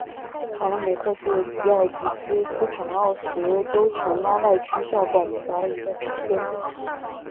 卡拉梅克是吉尔吉斯斯坦奥什州琼阿赖区下辖的一个村。